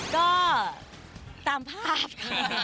ก็ตามภาพค่ะ